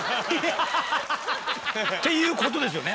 っていう事ですよね？